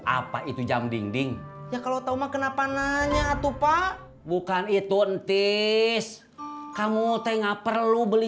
apa itu jam dinding ya kalau tahu kenapa nanya atuh pak bukan itu ntis kamu teh nggak perlu beli